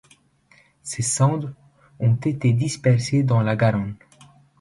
Ses cendres ont été dispersées dans la Garonne.